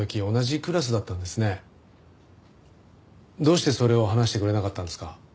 どうしてそれを話してくれなかったんですか？